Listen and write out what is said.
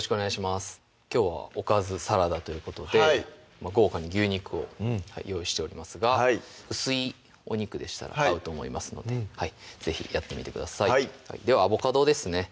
きょうは「おかずサラダ」ということで豪華に牛肉を用意しておりますが薄いお肉でしたら合うと思いますので是非やってみてくださいではアボカドですね